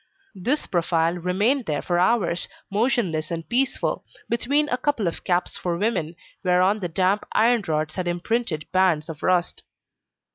This profile remained there for hours, motionless and peaceful, between a couple of caps for women, whereon the damp iron rods had imprinted bands of rust.